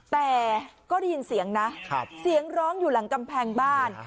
แต่ก็ได้ยินเสียงนะเสียงร้องอยู่หลังกำแพงบ้าน